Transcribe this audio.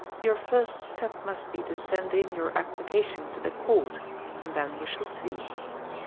Yonr first step must be to send in yonr application to the Court, and then we shall see.